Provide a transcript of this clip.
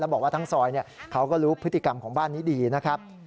บอกว่าทั้งซอยเขาก็รู้พฤติกรรมของบ้านนี้ดีนะครับ